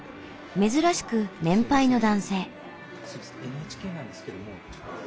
珍しく年配の男性。